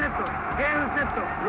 ゲームセット！